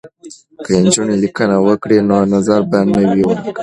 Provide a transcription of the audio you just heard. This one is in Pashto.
که نجونې لیکنه وکړي نو نظر به نه وي ورک.